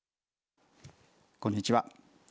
こんにちは。